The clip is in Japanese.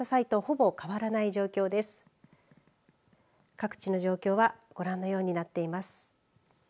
各地の状況はご覧のようになっています。